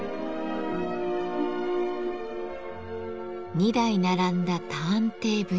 ２台並んだ「ターンテーブル」。